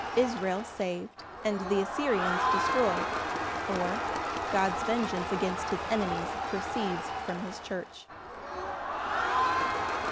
Israel saved, and the Assyrians destroyed; or, God's vengeance against his enemies proceeds from his church.